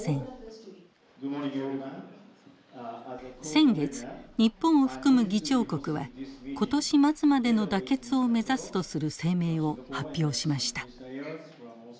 先月日本を含む議長国は今年末までの妥結を目指すとする声明を発表しました。